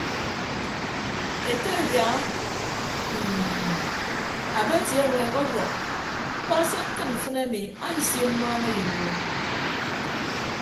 Ete adiaha mm abeti eñweek ọduọk mkpọ se ñkịd mfịn ami ansio mmọọñeyịdo.